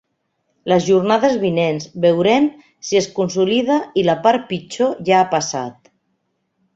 Les jornades vinents veurem si es consolida i la part pitjor ja ha passat.